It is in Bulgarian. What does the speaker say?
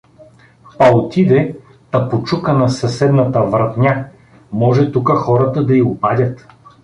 Па отиде, та почука на съседната вратня, може тука хората да й обадят.